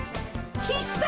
必殺！